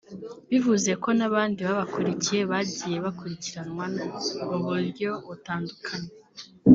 bivuze ko n’abandi babakurikiye bagiye bakurikiranwa mu buryo butandukanye